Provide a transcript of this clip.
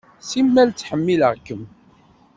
Simmal ttḥemmileɣ-kem.